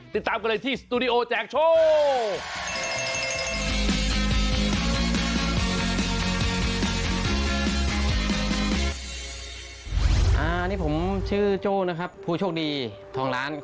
ติดตามกันเลยที่สตูดิโอแจกโชค